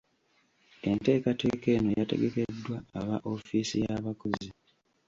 Enteekateeka eno yategekeddwa aba ofiisi y’abakozi.